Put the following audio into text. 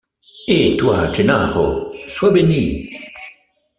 Et toi, Gennaro! sois béni !